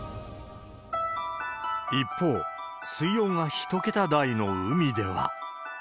一方、水温が１桁台の海では。